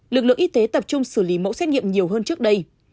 lực lượng y tế tập trung xử lý mẫu xét nghiệm nhiều hơn trước đây